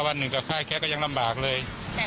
แต่ก็ต้องกระจอกลอยอย่างนี้เนอะ